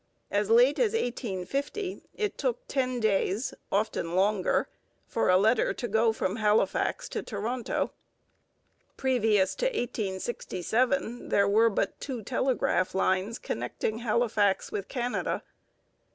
As late as 1850 it took ten days, often longer, for a letter to go from Halifax to Toronto. Previous to 1867 there were but two telegraph lines connecting Halifax with Canada.